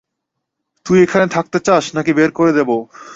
তুই এখানে থাকতে চাস, না কী বের করে দেব?